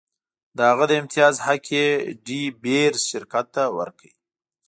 د هغه د امتیاز حق یې ډي بیرز شرکت ته ورکړ.